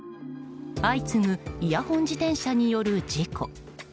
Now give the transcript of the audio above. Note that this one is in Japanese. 相次ぐイヤホン自転車による事故。